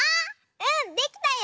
うんできたよ！